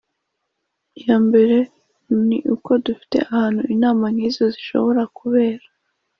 Iya mbere ni uko dufite ahantu inama nk izo zishobora kubera